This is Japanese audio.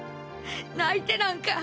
泣いてなんか。